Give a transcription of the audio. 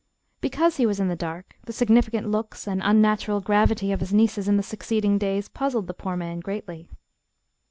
Because he was in the dark the significant looks and unnatural gravity of his nieces in the succeeding days puzzled the poor man greatly.